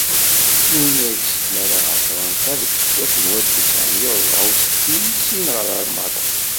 Yunag s tmara ɣer Fransa deg useggas n walef u tesεemya u rebεa u settin, syin ɣer Merruk.